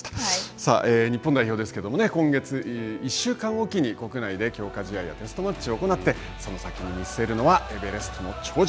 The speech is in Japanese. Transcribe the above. さあ、日本代表ですけれども今月、１週間置きに国内で強化試合やテストマッチを行って、その先に見据えるのはエベレストの頂上。